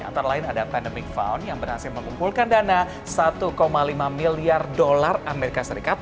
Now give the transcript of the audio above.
antara lain ada pandemic fund yang berhasil mengumpulkan dana satu lima miliar dolar as